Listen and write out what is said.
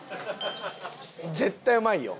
絶対うまいよ。